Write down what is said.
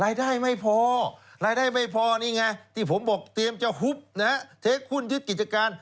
ได้ไม่พอรายได้ไม่พอนี่ไงที่ผมบอกเตรียมจะฮุบนะฮะเทคหุ้นยึดกิจการ